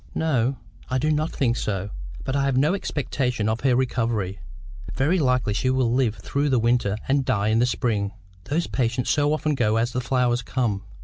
"No. I do not think so. But I have no expectation of her recovery. Very likely she will just live through the winter and die in the spring. Those patients so often go as the flowers come!